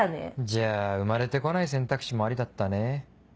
じゃあ生まれてこない選択肢もありだったね。